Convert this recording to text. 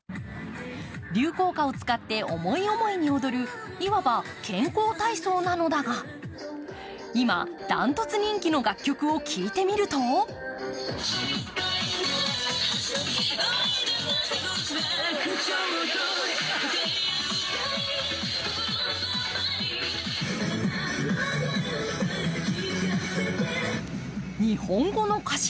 流行歌を使って思い思いに踊るいわば健康体操なのだが今、ダントツ人気の楽曲を聞いてみると日本語の歌詞。